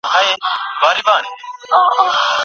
الله تعالی نه په ذات کي شريک لري اونه په صفاتو کي شريک لري.